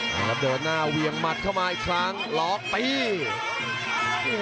แล้วเดินหน้าเวียงหมัดเข้ามาอีกครั้งล็อกตี